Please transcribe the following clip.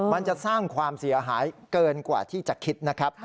มันจะสร้างความเสียหายเกินกว่าที่จะคิดนะครับ